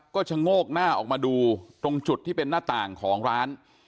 ก็ชะโงกหน้าออกมาดูตรงจุดที่เป็นหน้าต่างของร้าน